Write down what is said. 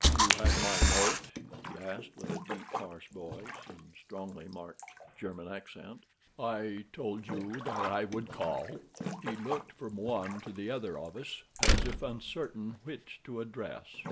"You had my note?" he asked, with a deep, harsh voice and a strongly marked German accent. "I told you that I would call." He looked from one to the other of us, as if uncertain which to address.